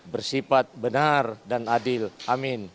bersifat benar dan adil amin